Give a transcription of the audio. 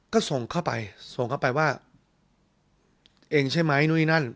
ก็ส่งเข้าไปส่งเข้าไปว่าเองใช่ไหมนู่นนั่น